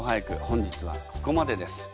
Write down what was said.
本日はここまでです。